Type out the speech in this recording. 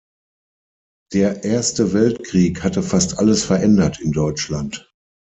Der Erste Weltkrieg hatte fast alles verändert in Deutschland.